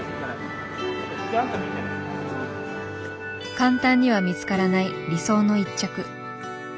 簡単には見つからない理想の一着。